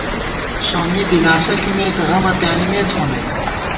سومّی دِلاسہ ݪِمېت ، غمہ پیانِمېت خو نئ